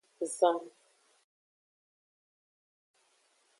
Zan.